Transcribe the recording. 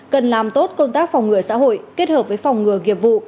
cần làm tốt công tác phòng ngừa xã hội kết hợp với phòng ngừa nghiệp vụ